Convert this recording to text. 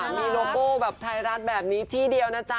มีโลโก้แบบไทยรัฐแบบนี้ที่เดียวนะจ๊